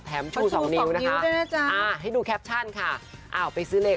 ชูสองนิ้วนะคะอ่าให้ดูแคปชั่นค่ะอ้าวไปซื้อเลข